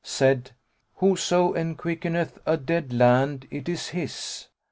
said: Whoso enquickeneth a dead land, it is his.'